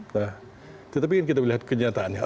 nah tetapi kan kita melihat kenyataannya